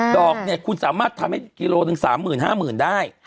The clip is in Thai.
ดอกเนี่ยคุณสามารถทำให้กิโลหนึ่ง๓๕๐๐๐ได้